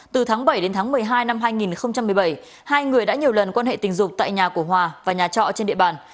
từ tháng bảy đến tháng một mươi hai năm hai nghìn một mươi bảy hai người đã nhiều lần quan hệ tình dục tại nhà của hòa và nhà trọ trên địa bàn